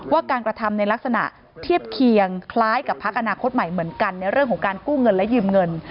ว่าการกระทำในลักษณะเทียบเคียงคล้ายกับพักอนาคตใหม่เหมือนกันในเรื่องของการกู้เงินและยืมเงิน